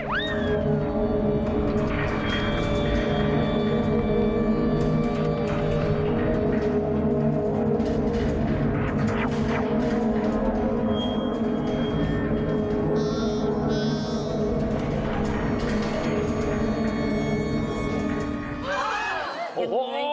โอ้โห